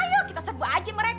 yuk kita serbu aja mereka